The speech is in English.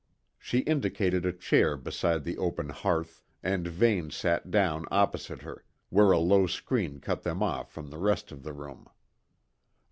She indicated a chair beside the open hearth and Vane sat down opposite her, where a low screen cut them off from the rest of the room.